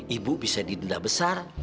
ibu bisa didenda besar